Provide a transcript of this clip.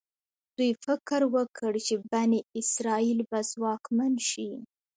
دوی فکر وکړ چې بني اسرایل به ځواکمن شي.